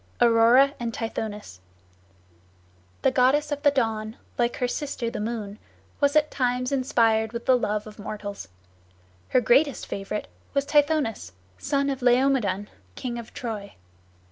AURORA AND TITHONUS The goddess of the Dawn, like her sister the Moon, was at times inspired with the love of mortals. Her greatest favorite was Tithonus, son of Laomedon, king of Troy.